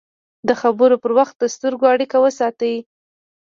د خبرو پر وخت د سترګو اړیکه وساتئ